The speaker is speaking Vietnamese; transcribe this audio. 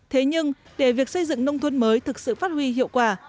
thế nhưng để việc xây dựng nông thôn mới thực sự phát huy hiệu quả